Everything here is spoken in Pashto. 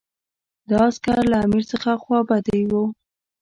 دا عسکر له امیر څخه خوابدي وو.